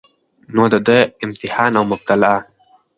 نو د ده امتحان او مبتلاء